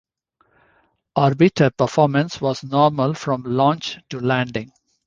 Orbiter performance was normal from launch to landing.